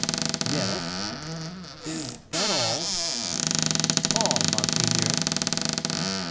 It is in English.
"Yes; is that all?" "All, monseigneur."